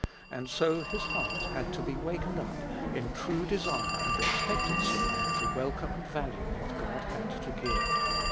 And so his heart had to be wakened up in true desire and expectancy to welcome and value what God had to give.